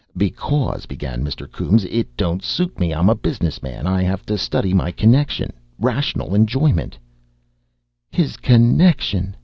"Because," began Mr. Coombes, "it don't suit me. I'm a business man. I 'ave to study my connection. Rational 'njoyment " "His connection!"